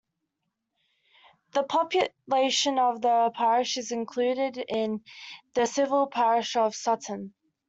The population of the parish is included in the civil parish of Sutton.